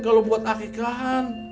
kalau buat akikahan